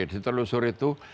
di telusuri itu